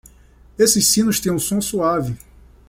Estes sinos têm um som suave.